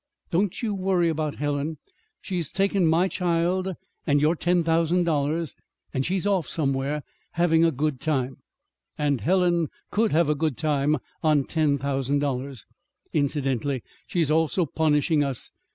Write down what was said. Don't you worry about Helen. She's taken my child and your ten thousand dollars, and she's off somewhere, having a good time; and Helen could have a good time on ten thousand dollars! Incidentally she's also punishing us.